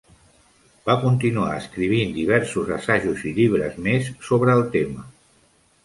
Va continuar escrivint diversos assajos i llibres més sobre el tema.